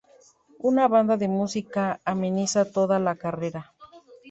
Una banda de música ameniza toda la carrera.